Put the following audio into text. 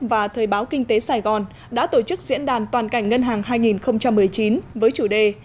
và thời báo kinh tế sài gòn đã tổ chức diễn đàn toàn cảnh ngân hàng hai nghìn một mươi chín với chủ đề